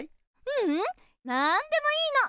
ううんなんでもいいの。